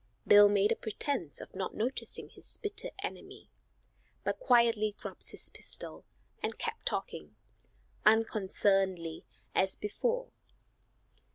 Bill made a pretence of not noticing his bitter enemy, but quietly grasped his pistol and kept talking, unconcernedly, as before.